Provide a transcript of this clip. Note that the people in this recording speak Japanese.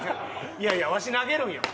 いやいやわし投げるんよ。